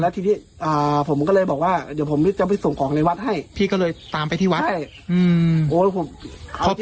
พี่ตำไปที่วัดเอาที่นี่อย่างขนลุกเลยละ